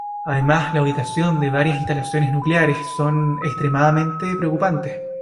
Además, la ubicación de varias instalaciones nucleares son extremadamente preocupantes.